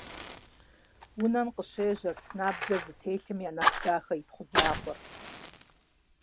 Унэм къыщежьэрт набдзэ зытелъым я нэхъ дахэ ипхъу закъуэр.